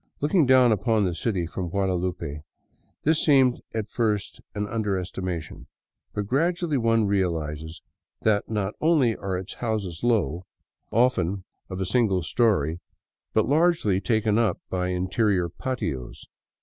Looking down upon the city from Guadalupe, this seems at first an underestimation. But gradually one reahzes that not only are its houses low, often of 37 VAGABONDING DOWN THE ANDES a single story, but largely taken up by interior patios.